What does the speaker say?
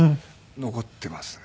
残っていますね。